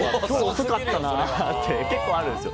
遅すぎるよなって結構あるんですよ。